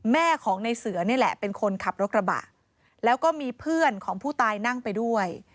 แม่ของในเสือนี่แหละเป็นคนขับรถกระบะแล้วก็มีเพื่อนของผู้ตายนั่งไปด้วย